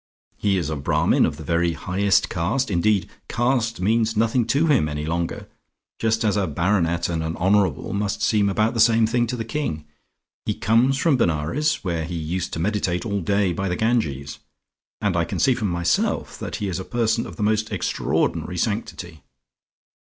He is a Brahmin of the very highest caste, indeed caste means nothing to him any longer, just as a Baronet and an Honourable must seem about the same thing to the King. He comes from Benares where he used to meditate all day by the Ganges, and I can see for myself that he is a person of the most extraordinary sanctity.